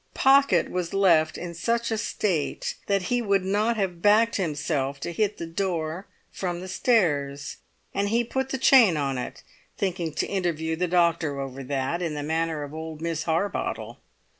Pocket was left in such a state that he would not have backed himself to hit the door from the stairs; and he put the chain on it, thinking to interview the doctor over that, in the manner of old Miss Harbottle.